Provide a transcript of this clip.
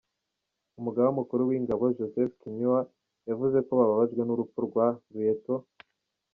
Umugaba Mukuru w’Ingabo, Joseph Kinyua, yavuze ko bababajwe n’urupfu rwa Rt.